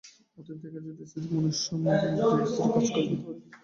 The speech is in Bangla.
অতএব দেখা যাইতেছে, মনুষ্য-মন দুই স্তরে কাজ করিতে পারে।